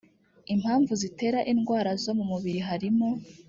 impamvu zitera indwara zo mumubiri harimo